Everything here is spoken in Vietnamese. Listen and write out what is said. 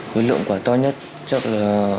với lượng quả to nhất chắc là